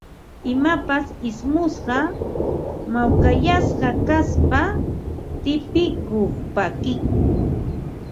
Imapas ismusqa, mawkayasqa kaspa tipikuq, pakikuq